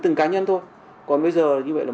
từng cá nhân thôi còn bây giờ như vậy là